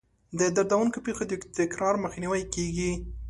د دردونکو پېښو د تکرار مخنیوی کیږي.